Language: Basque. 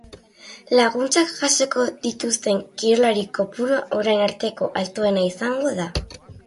Laguntzak jasoko dituzten kirolari kopurua orain arteko altuena izango da.